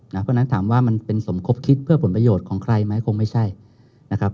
เพราะฉะนั้นถามว่ามันเป็นสมคบคิดเพื่อผลประโยชน์ของใครไหมคงไม่ใช่นะครับ